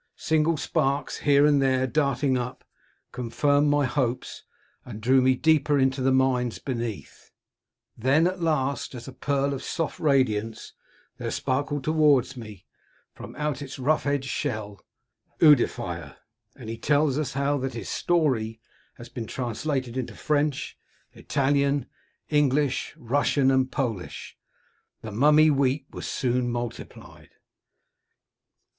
Single sparks, here and there darting up, confirmed my hopes, and drew me deeper into the mines beneath ... then, at last, as a pearl of soft radiance, there sparkled towards me, from out its rough edged shell — Uiidifier And he tells us how that his story 238 King Robert of Sicily has been translated into French, Italian, English, Russian, and Polish. The mummy wheat was soon multiplied.